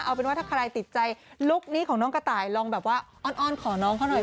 เอาเป็นว่าถ้าใครติดใจลุคนี้ของน้องกระต่ายลองแบบว่าอ้อนขอน้องเขาหน่อย